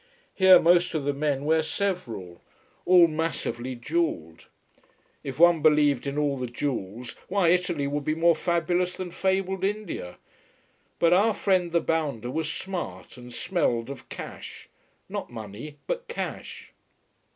Here most of the men wear several, all massively jewelled. If one believed in all the jewels, why Italy would be more fabulous than fabled India. But our friend the bounder was smart, and smelled of cash. Not money, but cash.